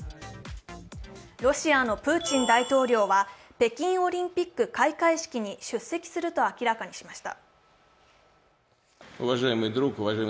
ロシアのプーチン大統領は北京オリンピック開会式に出席すると明らかにしました。